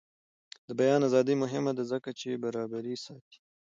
د بیان ازادي مهمه ده ځکه چې برابري ساتي.